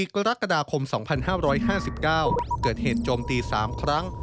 กรกฎาคม๒๕๕๙เกิดเหตุโจมตี๓ครั้ง